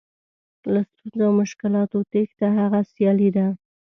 له ستونزو او مشکلاتو تېښته هغه سیالي ده.